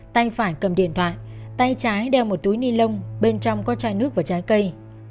tay phải cầm điện thoại tay trái đeo một túi ni lông bên trong có chai nước và trái cây